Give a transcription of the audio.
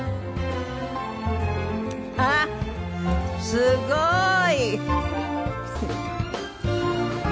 あっすごーい！